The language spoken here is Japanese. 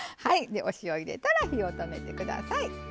はいお塩入れたら火を止めて下さい。